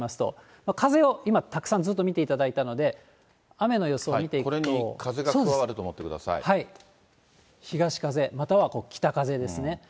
今、風をたくさんずっと見ていただいたので、雨の予想を見これに風が加わると思ってく東風、または北風ですね。